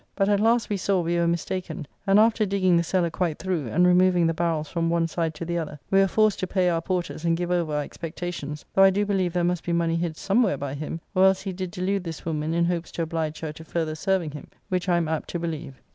But at last we saw we were mistaken; and after digging the cellar quite through, and removing the barrels from one side to the other, we were forced to pay our porters, and give over our expectations, though I do believe there must be money hid somewhere by him, or else he did delude this woman in hopes to oblige her to further serving him, which I am apt to believe.